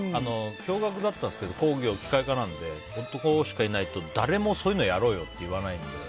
共学だったんですけど工業、機械科だったので男しかいないと誰もそういうのやろうって言わないんで。